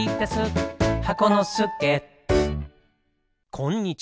こんにちは。